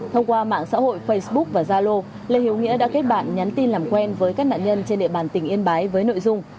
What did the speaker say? thông qua mạng xã hội facebook và zalo lê hiếu nghĩa đã kết bạn nhắn tin làm quen với các nạn nhân trên địa bàn tỉnh yên bái với nội dung